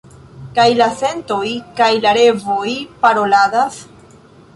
kaj la sentoj kaj la revoj paroladas?